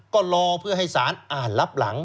ก็รอเพื่อให้สารอ่านรับหลัง